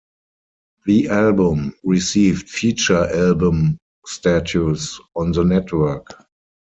The album received feature album status on the network.